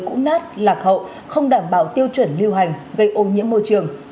cũ nát lạc hậu không đảm bảo tiêu chuẩn lưu hành gây ô nhiễm môi trường